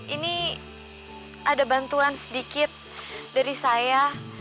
ini ada bantuan sedikit dari saya